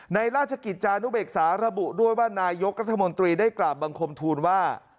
ในราชกิจจานุเบกษาระบุด้วยว่านายกรัฐมนตรีได้กราบบังคมทูลว่า